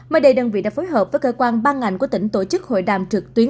mới đây đơn vị đã phối hợp với cơ quan ban ngành của tỉnh tổ chức hội đàm trực tuyến